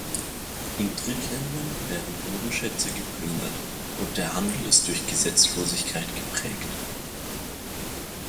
In Drittländern werden Bodenschätze geplündert, und der Handel ist durch Gesetzlosigkeit geprägt.